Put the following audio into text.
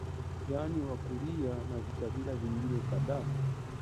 yaani Wakurya na vikabila vingine kadhaa